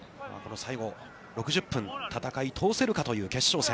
最後の６０分、戦い通せるかという決勝戦。